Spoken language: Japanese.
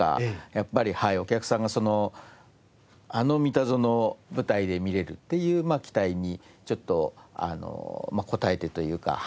やっぱりお客さんがあの『ミタゾノ』を舞台で見られるっていう期待にちょっとあの応えてというかはい。